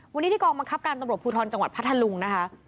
วันนี้ที่กองบังคับการตำรวจภูทรจังหวัดพัทธลุงนะคะ